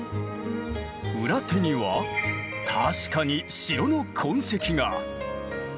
裏手には確かに城の痕跡が！